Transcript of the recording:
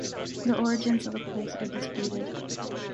The origins of the place are disputed.